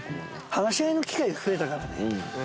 話し合いの機会増えたからね。